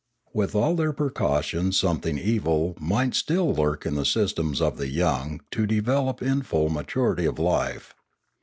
With all their precautions something evil might still lurk in the systems of the young to be de veloped in full maturity of life.